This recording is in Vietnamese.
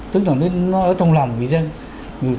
tức là nó ở trong lòng người dân